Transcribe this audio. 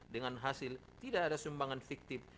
dengan hasil tidak ada sumbangan fiktif